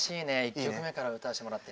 １曲目から歌わしてもらって。